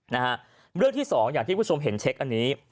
นะฮะเรื่องที่สองอย่างที่คุณผู้ชมเห็นเช็คอันนี้